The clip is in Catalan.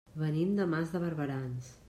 Venim de Mas de Barberans.